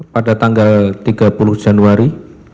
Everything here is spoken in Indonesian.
pada tanggal tiga puluh januari